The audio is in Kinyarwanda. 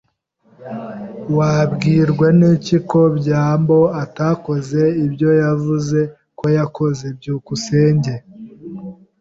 Wabwirwa n'iki ko byambo atakoze ibyo yavuze ko yakoze? byukusenge